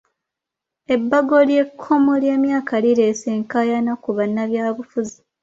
Ebbago ly'ekkomo ly'emyaka lireese enkaayana mu bannabyabufuzi.